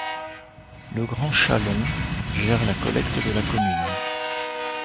Le Grand Chalon gère la collecte de la commune.